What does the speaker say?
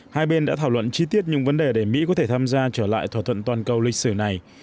hai bên đã thảo luận chi tiết những vấn đề để mỹ có thể tham gia trở lại thỏa thuận toàn cầu lịch sử này